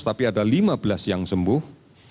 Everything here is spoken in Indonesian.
tapi ada lima belas yang sembuh